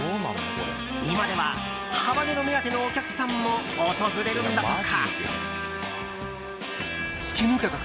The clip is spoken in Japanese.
今では、ハバネロ目当てのお客さんも訪れるんだとか。